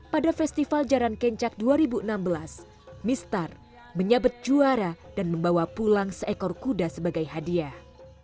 pada festival jaran kencak dua ribu enam belas mistar menyabet juara dan membawa pulang seekor kuda sebagai hadiah